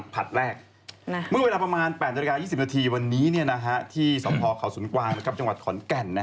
แรกเมื่อเวลาประมาณ๘นาฬิกา๒๐นาทีวันนี้ที่สพเขาสุนกวางจังหวัดขอนแก่น